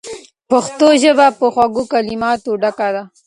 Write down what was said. پښتو ژبه په خوږو کلماتو ډکه ده.